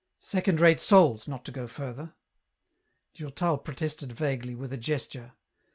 second rate souls, not to go further ..." Durtal protested vaguely, with a gesture.